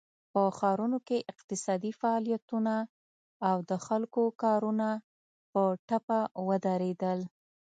په ښارونو کې اقتصادي فعالیتونه او د خلکو کارونه په ټپه ودرېدل.